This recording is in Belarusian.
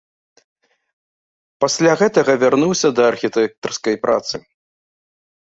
Пасля гэтага вярнуўся да архітэктарскай працы.